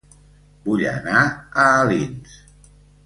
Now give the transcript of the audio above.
Vull anar a Alins